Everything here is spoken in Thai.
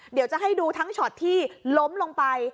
เดี๋ยวจะให้ดูทั้งช็อตที่ล้มลงไป